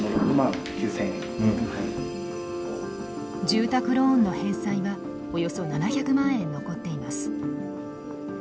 住宅ローンの返済はおよそ７００万円残っています。